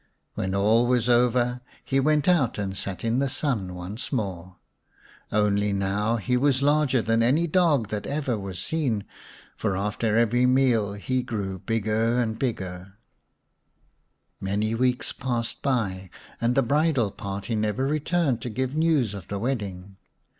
When all was over he went out and sat in the sun once more. Only now he was larger than any dog that ever was seen, for after every meal he grew bigger and bigger. 179 The Story of Semai mai xv Many weeks passed by, and the bridal party never returned to give news of the wedding.